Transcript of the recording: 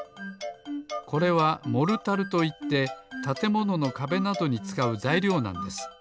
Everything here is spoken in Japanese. これはモルタルといってたてもののかべなどにつかうざいりょうなんです。